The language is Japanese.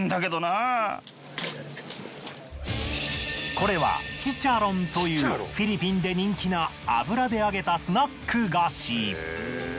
これはチチャロンというフィリピンで人気な油で揚げたスナック菓子。